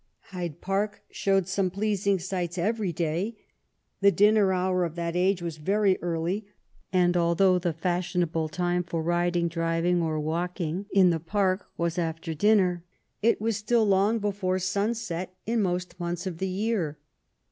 Hyde Park showed some pleasing sights every day. The dinner hour of that age was very early, and al though the fashionable time for riding, driving, or walking in the park was after dinner, it was still long before sunset in most months of the year.